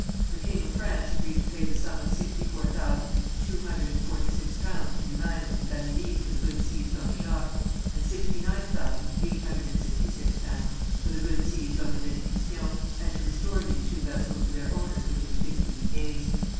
The king of France agreed to pay the sum of sixty four thousand two hundred and forty six pounds to Lumagne and Vanelly for the goods seized on the Jacques, and sixty nine thousand eight hundred and sixty six pounds for the goods seized on the Bénédiction, and to restore these two vessels to their owners within fifteen days.